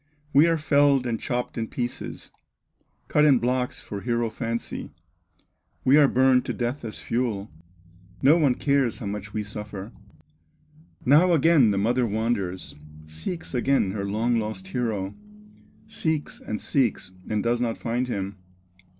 We are felled and chopped in pieces, Cut in blocks for hero fancy, We are burned to death as fuel, No one cares how much we suffer." Now again the mother wanders, Seeks again her long lost hero, Seeks, and seeks, and does not find him.